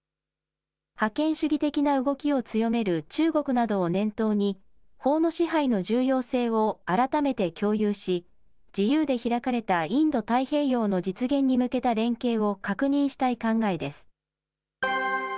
覇権主義的な動きを強める中国などを念頭に、法の支配の重要性を改めて共有し、自由で開かれたインド太平洋の実現に向けた連携を確認したい考えです。